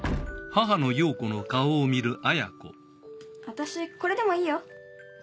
私これでもいいよ。